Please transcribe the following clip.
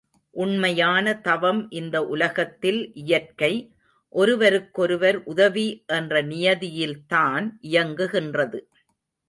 உண்மையான தவம் இந்த உலகத்தில் இயற்கை, ஒருவருக்கொருவர் உதவி என்ற நியதியில்தான் இயங்குகின்றது.